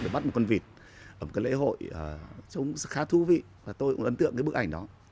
một cái lễ hội trông khá thú vị và tôi cũng ấn tượng cái bức ảnh đó